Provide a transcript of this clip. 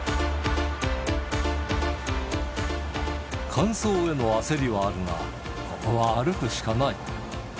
完走への焦りはあるが、ここは歩くしかない。